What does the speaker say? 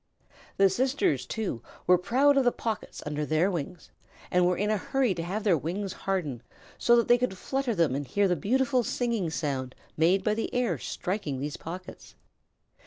The sisters, too, were proud of the pockets under their wings, and were in a hurry to have their wings harden, so that they could flutter them and hear the beautiful singing sound made by the air striking these pockets.